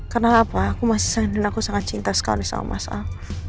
karena apa aku masih sangat cinta sama mas al